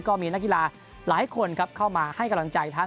ก็มีนักกีฬาหลายคนครับเข้ามาให้กำลังใจทั้ง